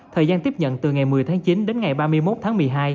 thời gian tiếp nhận từ ngày một mươi tháng chín đến ngày ba mươi một tháng một mươi hai